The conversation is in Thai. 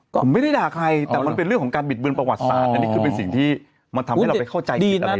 ผมไม่ได้ด่าใครแต่มันเป็นเรื่องของการบิดเบือนประวัติศาสตร์อันนี้คือเป็นสิ่งที่มันทำให้เราไปเข้าใจผิดอะไร